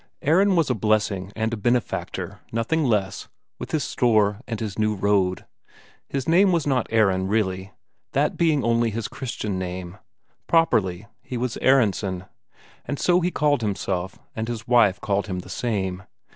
Aron was a blessing and a benefactor, nothing less, with his store and his new road. His name was not Aron really, that being only his Christian name; properly, he was Aronsen, and so he called himself, and his wife called him the same.